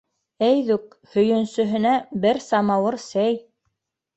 Әйҙүк! һөйөнсөһөнә - бер самауыр сәй!